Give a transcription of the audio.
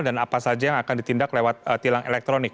dan apa saja yang akan ditindak lewat tilang elektronik